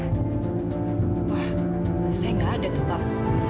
wah saya nggak ada tuh pak